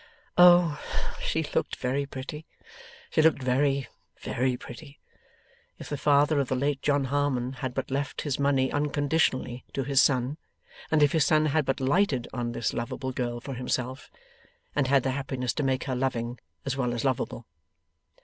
Oh she looked very pretty, she looked very, very pretty! If the father of the late John Harmon had but left his money unconditionally to his son, and if his son had but lighted on this loveable girl for himself, and had the happiness to make her loving as well as loveable!